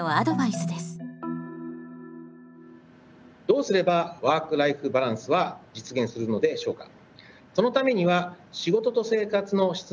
どうすればワーク・ライフ・バランスは実現するのでしょうか？